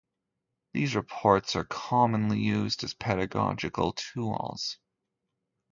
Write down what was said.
These reports are commonly used as pedagogical tools.